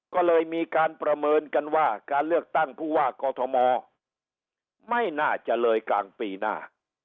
ก็เลยมีการประเมินกันว่าการเลือกตั้งผู้ว่ากอทมไม่น่าจะเลยกลางปีหน้า